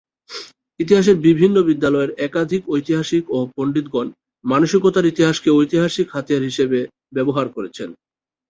ইতিহাসের বিভিন্ন বিদ্যালয়ের একাধিক ঐতিহাসিক ও পণ্ডিতগণ মানসিকতার ইতিহাসকে ঐতিহাসিক হাতিয়ার হিসাবে ব্যবহার করেছেন।